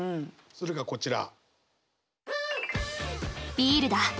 それがこちら。